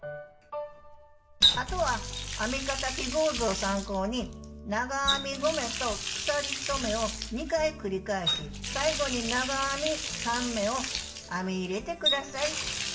あとは編み方記号図を参考に長編み５目と鎖１目を２回繰り返し最後に長編み３目を編み入れて下さい。